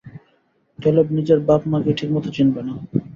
Caleb নিজের বাপ মাকেই ঠিকমতো চিনবেনা।